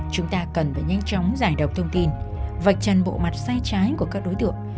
chúng ta cần phải nhanh chóng giải độc thông tin vạch trần bộ mặt sai trái của các đối tượng